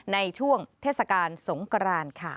ในช่วงเทศกาลสงกรานค่ะ